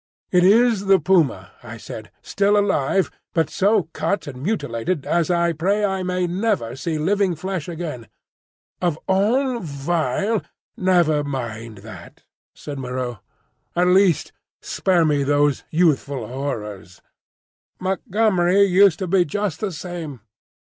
"It is the puma," I said, "still alive, but so cut and mutilated as I pray I may never see living flesh again. Of all vile—" "Never mind that," said Moreau; "at least, spare me those youthful horrors. Montgomery used to be just the same.